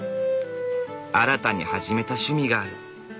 新たに始めた趣味がある。